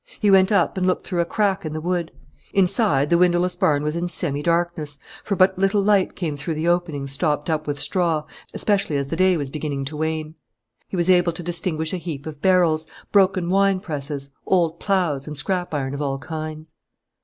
He went up and looked through a crack in the wood. Inside the windowless barn was in semi darkness, for but little light came through the openings stopped up with straw, especially as the day was beginning to wane. He was able to distinguish a heap of barrels, broken wine presses, old ploughs, and scrap iron of all kinds.